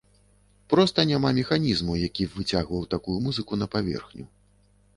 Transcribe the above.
Проста няма механізму, які б выцягваў такую музыку на паверхню.